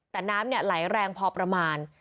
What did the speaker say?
แต่น้ำไหลแรงพอประมาณ